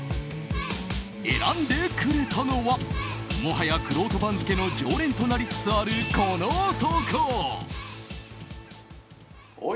選んでくれたのはもはや、くろうと番付の常連となりつつある、この男。